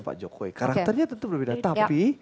pak jokowi karakternya tentu berbeda tapi